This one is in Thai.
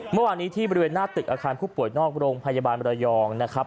เมื่อวานนี้ที่บริเวณหน้าตึกอาคารผู้ป่วยนอกโรงพยาบาลมรยองนะครับ